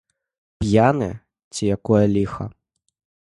П'яны, ці якое ліха?